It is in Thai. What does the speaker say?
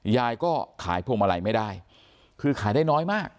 ยายก็ขายพวงมาลัยไม่ได้คือขายได้น้อยมาก